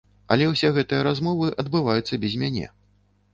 Але ўсе гэтыя размовы адбываюцца без мяне.